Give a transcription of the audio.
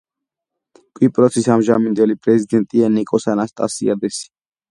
კვიპროსის ამჟამინდელი პრეზიდენტია ნიკოს ანასტასიადესი.